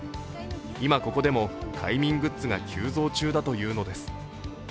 今ここでも快眠グッズが急増中だというのです。